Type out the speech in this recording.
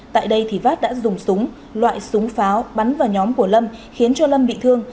tại đây thì phát đã dùng súng loại súng pháo bắn vào nhóm của lâm khiến cho lâm bị thương